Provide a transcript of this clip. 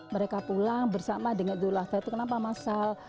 mereka pulang bersama dengan idul adha itu kenapa masal